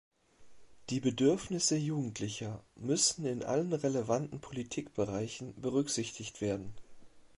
Die Bedürfnisse Jugendlicher müssen in allen relevanten Politikbereichen berücksichtigt werden.